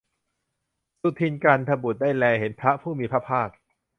สุทินน์ กลันทบุตรได้แลเห็นพระผู้มีพระภาค